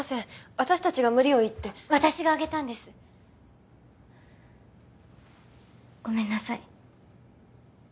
私達が無理を言って私が上げたんですごめんなさい